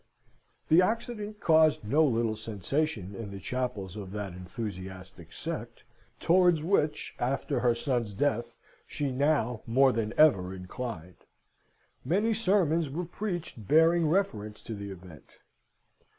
The accident caused no little sensation. In the chapels of that enthusiastic sect, towards which, after her son's death, she now more than ever inclined, many sermons were preached bearing reference to the event.